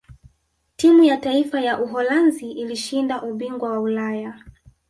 timu ya taifa ya uholanzi ilishinda ubingwa wa ulaya